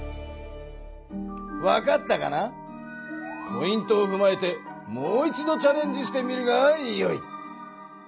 ポイントをふまえてもう一度チャレンジしてみるがよい！